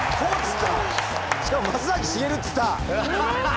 しかも「松崎しげる」っつった！